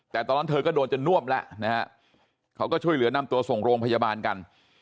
แต่ตอนนั้นเธอก็โดนจนน่วมแล้วนะฮะเขาก็ช่วยเหลือนำตัวส่งโรงพยาบาลกัน